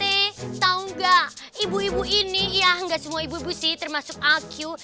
pak rt tau gak ibu ibu ini ya gak semua ibu ibu sih termasuk aku